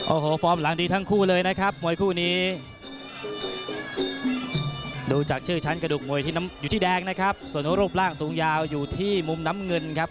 โอ้โหฟอร์มหลังดีทั้งคู่เลยนะครับมวยคู่นี้ดูจากชื่อชั้นกระดูกมวยที่อยู่ที่แดงนะครับส่วนรูปร่างสูงยาวอยู่ที่มุมน้ำเงินครับ